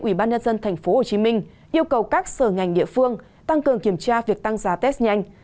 ủy ban nhân dân tp hcm yêu cầu các sở ngành địa phương tăng cường kiểm tra việc tăng giá test nhanh